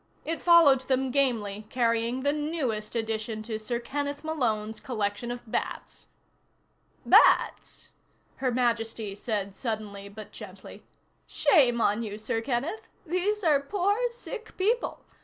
It followed them gamely, carrying the newest addition to Sir Kenneth Malone's Collection of Bats. "Bats?" Her Majesty said suddenly, but gently. "Shame on you, Sir Kenneth. These are poor, sick people.